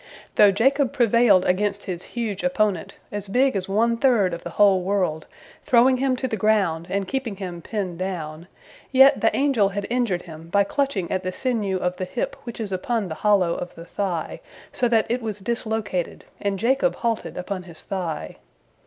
Though Jacob prevailed against his huge opponent, as big as one third of the whole world, throwing him to the ground and keeping him pinned down, yet the angel had injured him by clutching at the sinew of the hip which is upon the hollow of the thigh, so that it was dislocated, and Jacob halted upon his thigh.